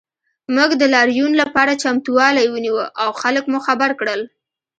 موږ د لاریون لپاره چمتووالی ونیو او خلک مو خبر کړل